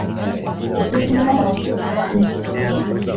Tulimwomba Mungu dua amesikia